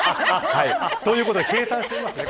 ということで計算してみます。